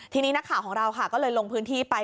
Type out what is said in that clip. ทีนี้นักข่าวของเราค่ะก็เลยลงพื้นที่ไป